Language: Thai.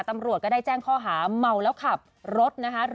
ตำรวจก็ได้แจ้งข้อหาเมาแล้วขับรถนะคะ